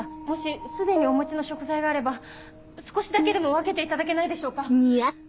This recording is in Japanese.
もし既にお持ちの食材があれば少しだけでも分けていただけないでしょうか。